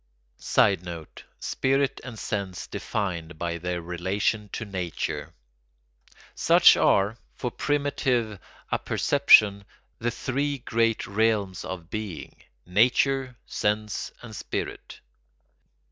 [Sidenote: Spirit and sense defined by their relation to nature.] Such are, for primitive apperception, the three great realms of being: nature, sense, and spirit.